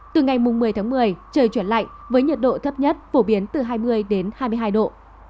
từ ngày một mươi tháng một mươi trời chuyển lạnh với nhiệt độ thấp nhất phổ biến từ hai mươi đến hai mươi hai độ